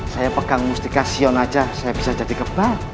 saya pegang mustikasion saja saya bisa jadi kebang